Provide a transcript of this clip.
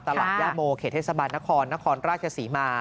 ย่าโมเขตเทศบาลนครนครราชศรีมา